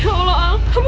ya allah kamu kenapa